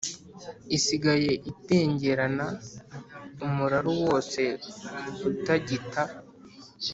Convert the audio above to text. Isigaye itengerana umuraru wose ugatigita